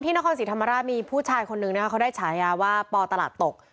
นครศรีธรรมราชมีผู้ชายคนนึงนะคะเขาได้ฉายาว่าปตลาดตก